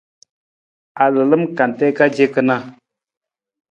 A lalam kante ka ce kana.